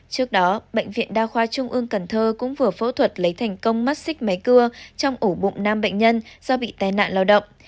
trước đó bệnh viện đa khoa trung ương cần thơ cũng vừa phẫu thuật lấy thành công mắt xích máy cưa trong ổ bụng nam bệnh nhân do bị tai nạn lao động